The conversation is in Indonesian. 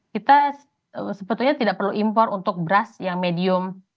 kita sebetulnya tidak perlu impor untuk beras yang medium